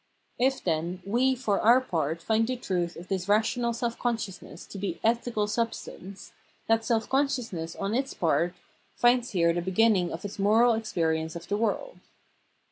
If, then, we for our part find the truth of this rational self consciousness to be ethical substance, that self consciousness on its part finds here the beginning of its moral experience of the world.